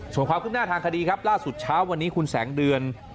ส่วนความขึ้นหน้าทางคดีครับล่าสุดเช้าวันนี้คุณแสงเดือน